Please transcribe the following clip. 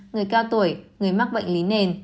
người cao tuổi người mắc bệnh lý nền